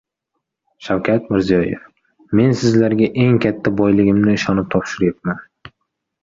Shavkat Mirziyoyev: «Men sizlarga eng katta boyligimni ishonib topshiryapman»